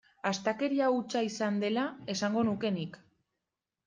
Astakeria hutsa izan dela esango nuke nik.